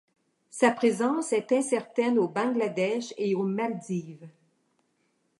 Sa présence est incertaine au Bangladesh et aux Maldives.